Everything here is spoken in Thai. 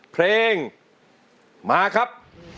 เพลงมาครับ